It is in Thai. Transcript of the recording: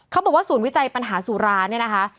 เขาบอกว่าศูนย์วิจัยปัญหาสุราเนี่ยนะคะ